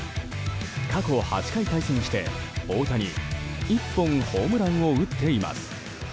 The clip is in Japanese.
過去８回対戦して、大谷１本ホームランを打っています。